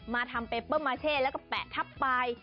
มาทำเปเปิ้ลมาเช่แล้วก็แปะทับไป